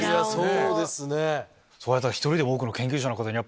そうですね。